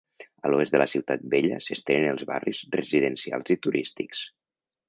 A l'oest de la ciutat vella s'estenen els barris residencials i turístics.